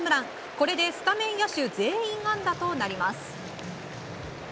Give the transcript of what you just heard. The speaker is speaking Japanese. これでスタメン野手全員安打となります。